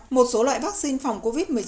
một số loại vaccine phòng covid một mươi chín